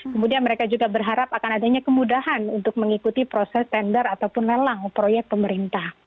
kemudian mereka juga berharap akan adanya kemudahan untuk mengikuti proses tender ataupun lelang proyek pemerintah